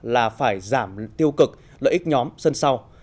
là phải giảm tiêu cực lợi ích nhóm sân sau